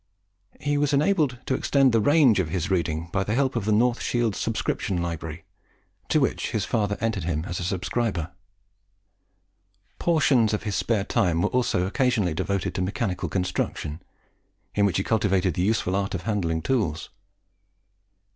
He was enabled to extend the range of his reading by the help of the North Shields Subscription Library, to which his father entered him a subscriber. Portions of his spare time were also occasionally devoted to mechanical construction, in which he cultivated the useful art of handling tools.